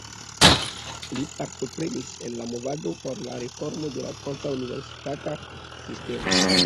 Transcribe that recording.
Li partoprenis en la movado por la reformo de la franca universitata sistemo.